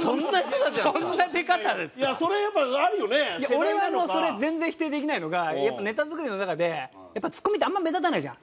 俺はもうそれ全然否定できないのがやっぱネタ作りの中でやっぱツッコミってあんま目立たないじゃん？